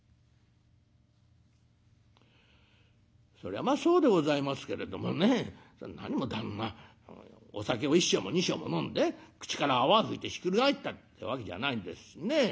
「そりゃまあそうでございますけれどもね何も旦那お酒を１升も２升も飲んで口から泡吹いてひっくり返ったってわけじゃないんですしね。